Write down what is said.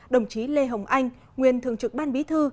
đồng chí lê hồng anh nguyên thường trực ban bí thư